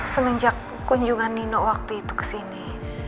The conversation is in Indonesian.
semenjak kunjungan nino waktu itu kesini